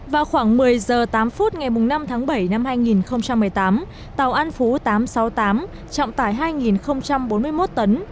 vào khoảng một mươi h tám phút ngày năm tháng bảy năm hai nghìn một mươi tám tàu an phú tám trăm sáu mươi tám trọng tải hai bốn mươi một tấn